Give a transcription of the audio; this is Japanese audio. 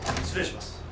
失礼します。